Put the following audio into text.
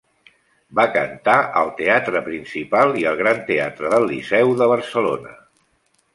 Va cantar al Teatre Principal i al Gran Teatre del Liceu de Barcelona.